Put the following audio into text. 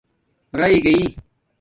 رای گئ